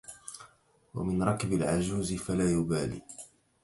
ومن ركب العجوز فلا يبالي